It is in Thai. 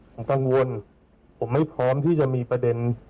ผมกังวลผมไม่พร้อมที่จะมีประเด็น